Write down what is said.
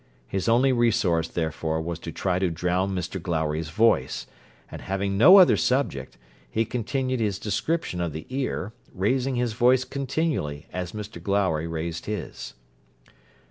His only resource, therefore, was to try to drown Mr Glowry's voice; and, having no other subject, he continued his description of the ear, raising his voice continually as Mr Glowry raised his.